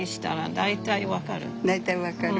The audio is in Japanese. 大体分かる？